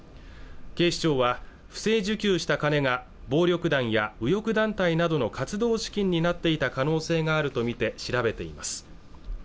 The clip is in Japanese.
警視庁は不正受給した金が暴力団や右翼団体などの活動資金になっていた可能性があるとみて調べています